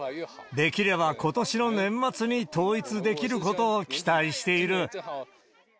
できればことしの年末に統一できることを期待している。